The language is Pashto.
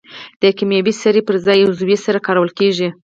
د کیمیاوي سرې پر ځای عضوي سره کارول کیږي.